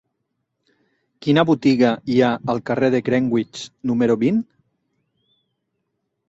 Quina botiga hi ha al carrer de Greenwich número vint?